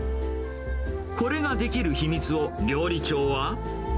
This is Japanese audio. これができる秘密を、料理長は。